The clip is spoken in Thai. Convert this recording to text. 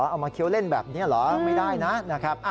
เอามาเคี้ยวเล่นแบบนี้เหรอไม่ได้นะนะครับ